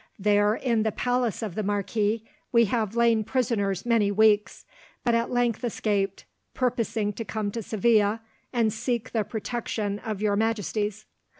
There, in the palace of the marquis, we have lain prisoners many weeks, but at length escaped, purposing to come to Seville and seek the protection of your Majesties.